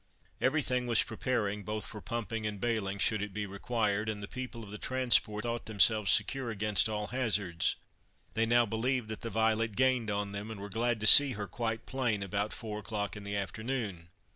Every thing was preparing, both for pumping and bailing, should it be required, and the people of the transport thought themselves secure against all hazards; they now believed that the Violet gained on them, and were glad to see her quite plain about four o'clock in the afternoon.